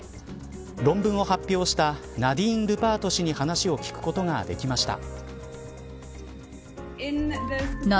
論文を発表したナディーン・ルパート氏に話を聞くことができました。